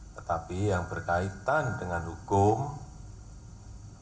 tetapi yang berkaitan dengan hukum